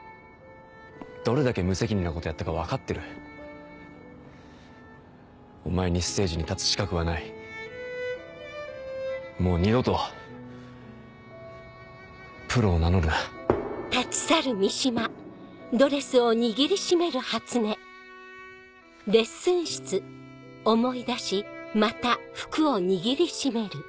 どれだけ無責任なことやったか分かってるお前にステージに立つ資格はないもう二度とプロを名乗るなはい。